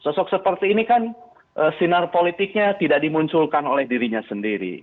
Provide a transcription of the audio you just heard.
sosok seperti ini kan sinar politiknya tidak dimunculkan oleh dirinya sendiri